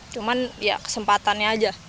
cuman ya kesempatannya aja